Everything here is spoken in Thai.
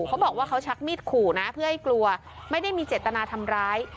เขาบอกว่าเขาชักมีดขู่นะเพื่อให้กลัวไม่ได้มีเจตนาทำร้าย